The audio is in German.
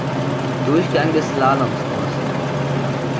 Durchgang des Slaloms aus.